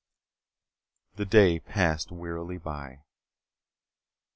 The day passed wearily by.